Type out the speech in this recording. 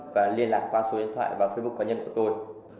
và liên lạc qua số điện thoại và facebook cá nhân của tôi